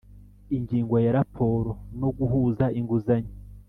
Ingingo ya Raporo no guhuza inguzanyo